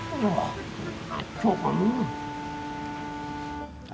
aduh acok banget